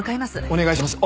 お願いします。